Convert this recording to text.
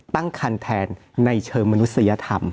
ตั้งคันแทนในเชิงมนุษยธรรม